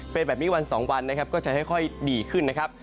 เป็นแบบนี้วัน๒วันนะครับก็จะค่อยดีขึ้นนะครับ